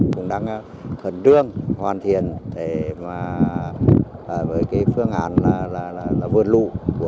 cũng đang hận đương hoàn thiện với phương án vượt lụ